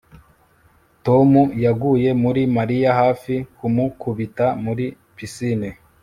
Tom yaguye muri Mariya hafi kumukubita muri pisine